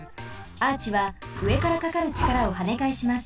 アーチは上からかかるちからをはねかえします。